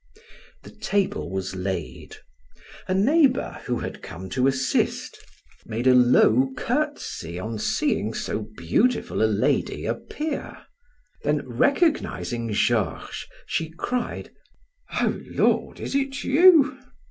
The table was laid. A neighbor, who had come to assist, made a low courtesy on seeing so beautiful a lady appear; then recognizing Georges, she cried: "Oh Lord, is it you?"